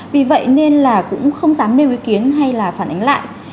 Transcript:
vì vậy nên là cũng không dám nêu ý kiến hay là phản ánh lại